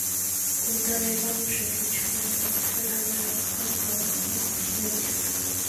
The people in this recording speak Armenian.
Գունդարևան ուշադրություն է դարձրել հասարակական ու քաղաքական գործունեությանը։